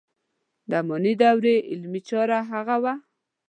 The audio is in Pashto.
د اماني دورې عملي چاره یې هغه و.